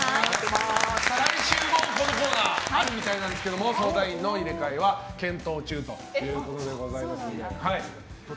来週もこのコーナーあるみたいなんですけど相談員の入れ替えは検討中ということでございます。